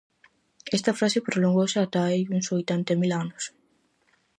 Esta fase prolongouse ata ai uns oitenta e mil anos.